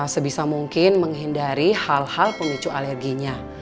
sebisa mungkin menghindari hal hal pemicu alerginya